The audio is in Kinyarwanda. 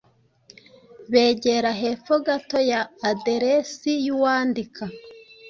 Begera hepfo gato ya aderesi y’uwandika,